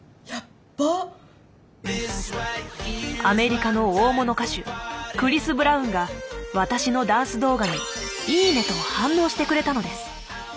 アメリカの大物歌手クリス・ブラウンが私のダンス動画に「いいね」と反応してくれたのです。